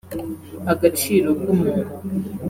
agaciro k’umuntu